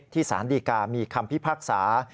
สารดีกามีคำพิพากษา